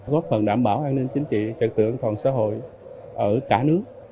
góp phần đảm bảo an ninh chính trị trật tự an toàn xã hội ở cả nước